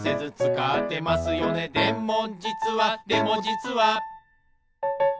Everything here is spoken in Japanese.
「でもじつはでもじつは」